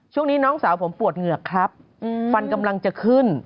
ช่วงนี้น้องสาวผมปวดเหงือกครับฟันกำลังจะขึ้น